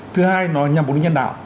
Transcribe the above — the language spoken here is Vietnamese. thứ hai nó nhằm vô địch nhân đạo